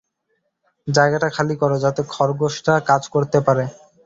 জায়গাটা খালি করো যাতে খরগোশরা কাজ করতে পারে।